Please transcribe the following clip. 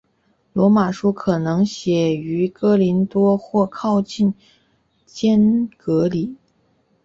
罗马书可能写于哥林多或靠近坚革哩。